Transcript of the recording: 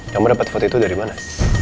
yang mau dapet foto itu dari mana